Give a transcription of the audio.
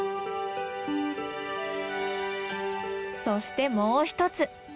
そしてもう一つ。